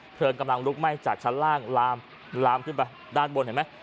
เพลิงกำลังลุกไหม้จากชั้นล่างลามลามขึ้นไปด้านบนเห็นไหม